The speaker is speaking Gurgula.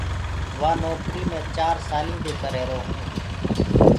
وآ نوڪريٚ مي چار سالينٚ دي ڪر رهيرو هونٚ۔